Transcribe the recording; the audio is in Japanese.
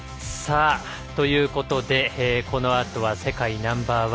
ということでこのあとは世界ナンバー１